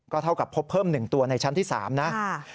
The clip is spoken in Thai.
เท่ากับพบเพิ่ม๑ตัวในชั้นที่๓นะ